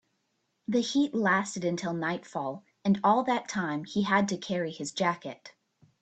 The heat lasted until nightfall, and all that time he had to carry his jacket.